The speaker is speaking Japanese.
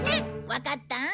わかった？